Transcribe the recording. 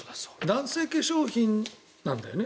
男性化粧品なんだよね？